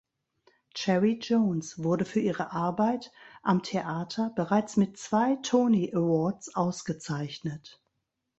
Cherry Jones wurde für ihre Arbeit am Theater bereits mit zwei Tony Awards ausgezeichnet.